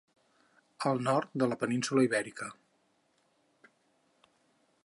Al nord de la península Ibèrica.